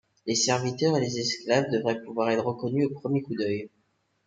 Les serviteurs et les esclaves devaient pouvoir être reconnus au premier coup d'œil.